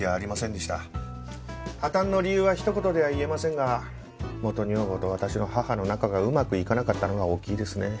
破綻の理由はひと言では言えませんが元女房と私の母の仲がうまくいかなかったのが大きいですね。